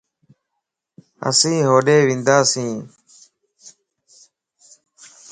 اسين ھوڏي ونداسين